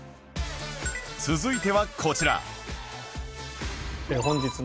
続いてはこちら